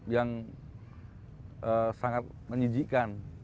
yang sangat menyijikan